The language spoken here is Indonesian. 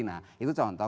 nah itu contoh